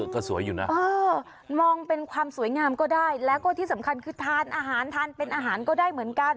ก็สวยอยู่นะมองเป็นความสวยงามก็ได้แล้วก็ที่สำคัญคือทานอาหารทานเป็นอาหารก็ได้เหมือนกัน